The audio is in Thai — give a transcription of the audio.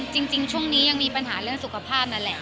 จริงช่วงนี้ยังมีปัญหาเรื่องสุขภาพนั่นแหละ